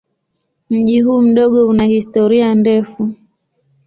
Mji huu mdogo una historia ndefu.